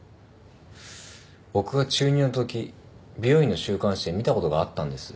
僕が中２のとき美容院の週刊誌で見たことがあったんです。